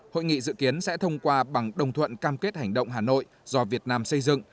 hội nghị dự kiến sẽ thông qua bằng đồng thuận cam kết hành động hà nội do việt nam xây dựng